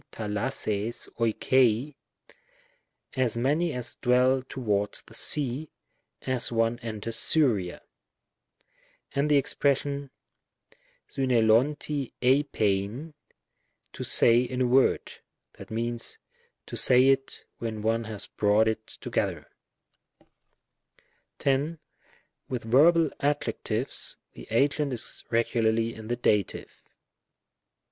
daXdoori:; oi^ctly " as many as dwell towards the sea —, as one enters Syria;" and the expression avvaXovri tlTitlvy "to say in a word," (= to say it when one has brought it together). 10. With verbal adjectives the agent is regularly in the Dative.